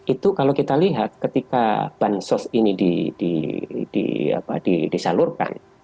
itu kalau kita lihat ketika bahan sos ini disalurkan